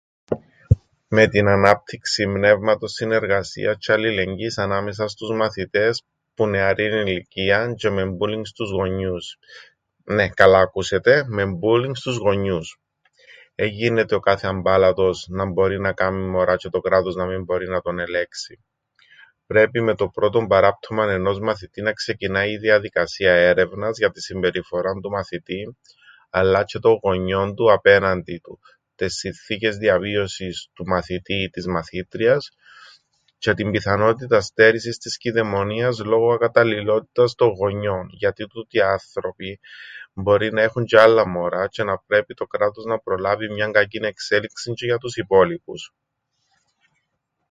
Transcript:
Με την ανάπτυξην πνεύματος συνεργασίας τζ̆αι αλληλεγγύης ανάμεσα στους μαθητές που νεαρήν ηλικίαν τζ̆αι με bulling στους γονιούς. Νναι... καλά ακούσετε, με bulling στους γονιούς. Εν γίνεται ο κάθε αμπάλατος να μπορεί να κάμει μωρά τζ̆αι το κράτος να μεν μπορεί να τον ελέγξει. Πρέπει με το πρώτον παράπτωμαν ενός μαθητή να ξεκινά η διαδικασία έρευνας για την συμπεριφοράν του μαθητή αλλά τζ̆αι των γονιών του απέναντι του, τες συνθήκες διαβίωσης του μαθητή ή της μαθήτριας τζ̆αι την πιθανότηταν στέρησης της κηδεμονίας λόγω ακατάλληλότητας των γονιών, γιατί τούτοι οι άνθρωποι μπορεί να έχουν τζ̆αι άλλα μωρά τζ̆αι να πρέπει το κράτος να προλάβει μιαν κακήν εξέλιξην τζ̆αι για τους υπόλοιπους.